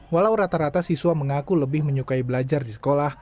walau rata rata siswa mengaku lebih menyukai belajar di sekolah